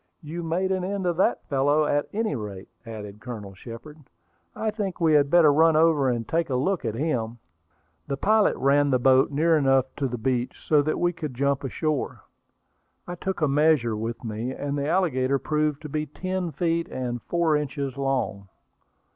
"You made an end of that fellow, at any rate," added Colonel Shepard. "I think we had better run over and take a look at him." The pilot ran the boat near enough to the beach so that we could jump ashore. I took a measure with me, and the alligator proved to be ten feet and four inches long.